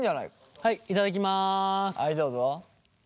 はいどうぞ。